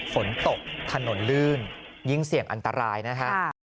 ฝนตกถนนลื่นยิ่งเสี่ยงอันตรายนะฮะ